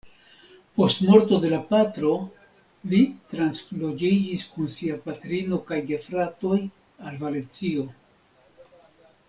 Post morto de la patro li transloĝiĝis kun sia patrino kaj gefratoj al Valencio.